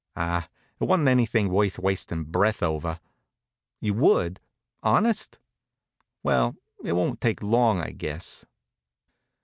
Ah, it wa'n't anything worth wastin' breath over. You would? Honest? Well, it won't take long, I guess.